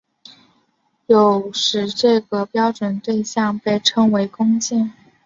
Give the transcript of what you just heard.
有时这个标准对像被称为工件。